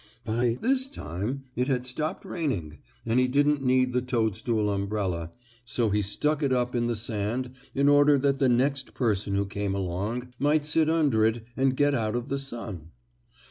By this time it had stopped raining and he didn't need the toadstool umbrella, so he stuck it up in the sand in order that the next person who came along might sit under it and get out of the sun.